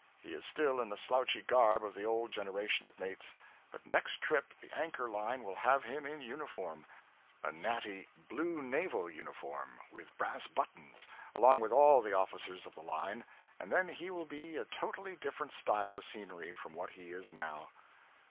He is still in the slouchy garb of the old generation of mates; but next trip the Anchor Line will have him in uniform a natty blue naval uniform, with brass buttons, along with all the officers of the line and then he will be a totally different style of scenery from what he is now.